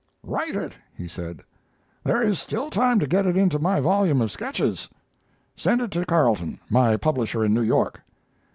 "Write it," he said. "There is still time to get it into my volume of sketches. Send it to Carleton, my publisher in New York."